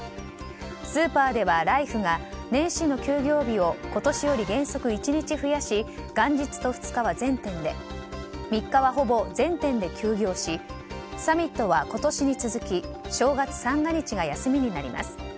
スーパーではライフが年始の休業日を今年より原則１日増やし元日と２日は全店で３日はほぼ全店で休業しサミットは今年に続き正月三が日が休みになります。